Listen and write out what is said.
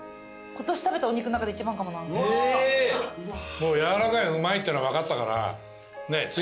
もうやわらかいうまいってのは分かったから。